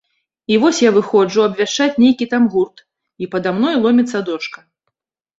І вось я выходжу абвяшчаць нейкі там гурт, і пада мной ломіцца дошка.